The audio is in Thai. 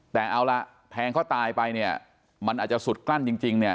แต่เอาละแทงเขาตายไปเนี่ยมันอาจจะสุดกลั้นจริงเนี่ย